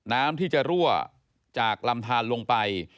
น้ำที่จะรั่วจากลำทานลงไป